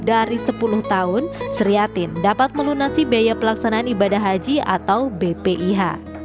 dari sepuluh tahun seriatin dapat melunasi biaya pelaksanaan ibadah haji atau bpih